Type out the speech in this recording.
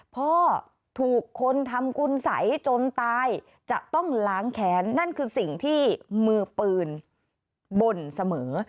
พ่อถูกคนทำกุญสัยจนตายจะต้องล้างแขนนั่นคือสิ่งที่มือปืนบ่นเสมอ